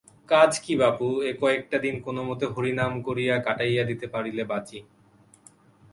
কাজ কী বাপু, এ কয়েকটা দিন কোনোমতে হরিনাম করিয়া কাটাইয়া দিতে পারিলে বাঁচি।